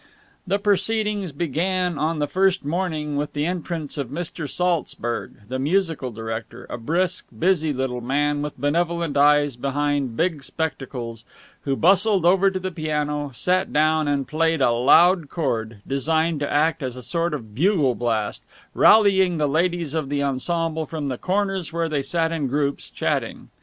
The proceedings began on the first morning with the entrance of Mr. Saltzburg, the musical director, a brisk, busy little man with benevolent eyes behind big spectacles, who bustled over to the piano, sat down, and played a loud chord, designed to act as a sort of bugle blast, rallying the ladies of the ensemble from the corners where they sat in groups, chatting.